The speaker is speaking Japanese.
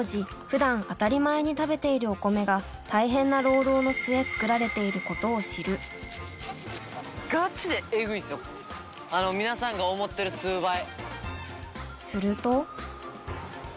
普段当たり前に食べているお米が大変な労働の末作られていることを知る皆さんが思ってる数倍。